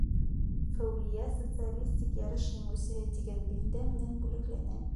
Фәүәлиә «Социалистик ярыш еңеүсеһе» тигән билдә менән бүләкләнә.